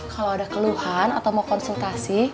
kalau ada keluhan atau mau konsultasi